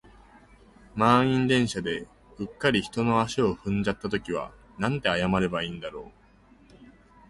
満員電車で、うっかり人の足を踏んじゃった時はなんて謝ればいいんだろう。